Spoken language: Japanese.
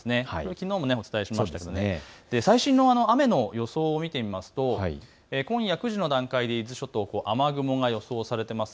きのうもお伝えしましたけれども最新の雨の予想を見てみますと今夜９時の段階で伊豆諸島、雨雲が予想されています。